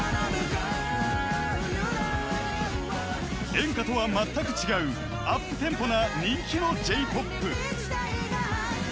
［演歌とはまったく違うアップテンポな人気のＪ−ＰＯＰ］